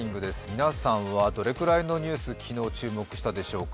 皆さんはどれくらいのニュース、昨日、注目したでしょうか。